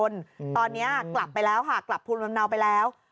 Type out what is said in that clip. ตอนนี้กลับไปแล้วค่ะกลับภูมิลำเนาไปแล้ว